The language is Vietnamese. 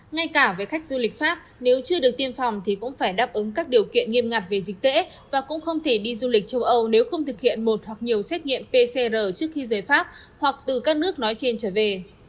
ngay cả với khách du lịch pháp nếu chưa được tiêm phòng thì cũng phải đáp ứng các điều kiện nghiêm ngặt về dịch tễ và cũng không thể đi du lịch châu âu nếu không thực hiện một hoặc nhiều xét nghiệm pcr trước khi rời pháp hoặc từ các nước nói trên trở về